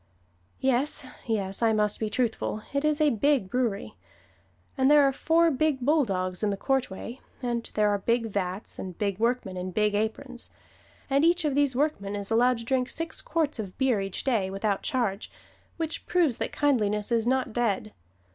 Yes, yes, I must be truthful it is a big brewery, and there are four big bulldogs in the courtway; and there are big vats, and big workmen in big aprons. And each of these workmen is allowed to drink six quarts of beer each day, without charge, which proves that kindliness is not dead.